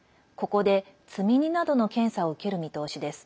ここで積み荷などの検査を受ける見通しです。